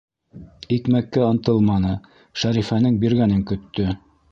Икмәккә ынтылманы, Шәрифәнең биргәнен көттө.